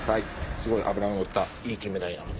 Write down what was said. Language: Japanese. すごい脂ののったいいキンメダイなので。